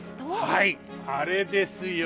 はいあれですよ。